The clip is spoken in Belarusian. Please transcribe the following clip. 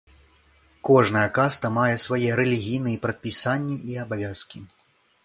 Кожная каста мае свае рэлігійныя прадпісанні і абавязкі.